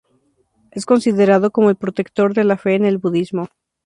Es considerado como el protector de la fe en el budismo.